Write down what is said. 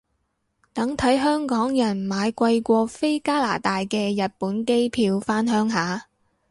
等睇香港人買貴過飛加拿大嘅日本機票返鄉下